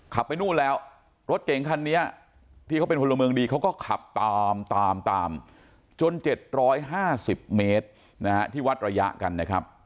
ขับไปนู่นแล้วรถเก่งคันนี้ที่เขาเป็นพลเมืองดีเขาก็ขับตามตามตามจนเจ็ดร้อยห้าสิบเมตรนะฮะที่วัดระยะกันนะครับ